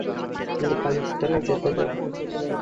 তিনি পাকিস্তানে থেকে যান।